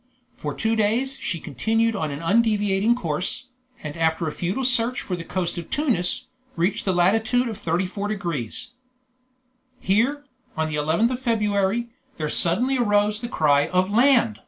For two days she continued an undeviating course, and after a futile search for the coast of Tunis, reached the latitude of 34 degrees. Here, on the 11th of February, there suddenly arose the cry of "Land!"